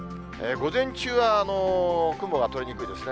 午前中は雲が取れにくいですね。